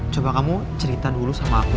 coba kamu cerita dulu sama aku